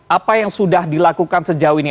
apa yang sudah dilakukan sejauh ini